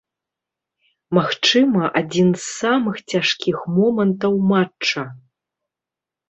Магчыма, адзін з самых цяжкіх момантаў матча.